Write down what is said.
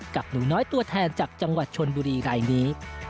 หนูน้อยตัวแทนจากจังหวัดชนบุรีรายนี้